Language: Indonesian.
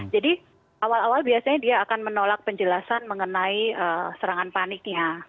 awal awal biasanya dia akan menolak penjelasan mengenai serangan paniknya